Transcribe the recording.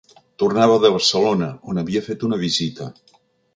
Tornava de Barcelona, on havia fet una visita.